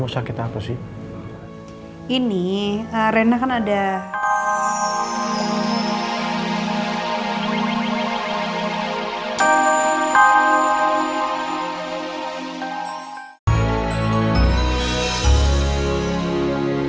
sekarang sudah membaik kemarin aku batuk batuk